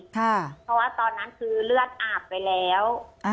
เพราะว่าตอนนั้นคือเลือดอาบไปแล้ว